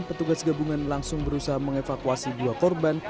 petugas gabungan langsung berusaha mengevakuasi dua korban